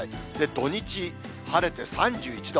土日、晴れて３１度。